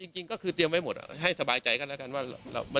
จริงก็คือเตรียมไว้หมดให้สบายใจกันแล้วกันว่า